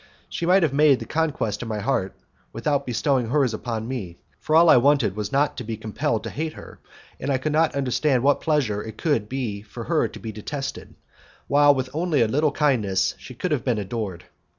She might have made the conquest of my heart without bestowing hers upon me, for all I wanted was not to be compelled to hate her, and I could not understand what pleasure it could be for her to be detested, while with only a little kindness she could have been adored.